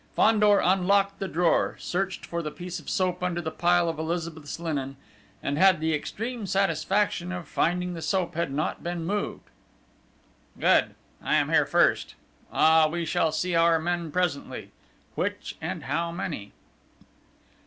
Fandor unlocked the drawer, searched for the piece of soap under the pile of Elizabeth's linen, and had the extreme satisfaction of finding the soap had not been moved. "Good! I am here first! Ah, we shall see our men presently! Which, and how many?"